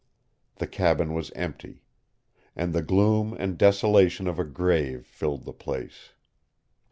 The cabin was empty. And the gloom and desolation of a grave filled the place.